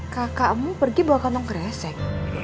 kakakmu pergi bawa kantong kresek